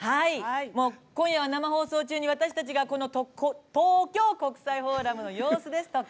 今夜は、生放送中に東京国際フォーラムの様子ですとか。